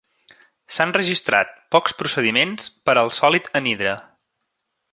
S'han registrat pocs procediments per al sòlid anhidre.